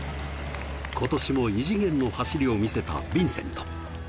今年も異次元の走りを見せたヴィンセント。